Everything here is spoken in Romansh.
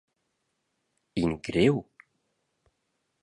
In griu?